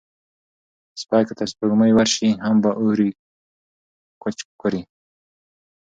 سپى که تر سپوږمۍ ورشي، هم به اوري کوچ کورې